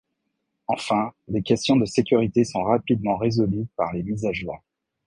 Enfin, les questions de sécurité sont rapidement résolues par les mises à jour.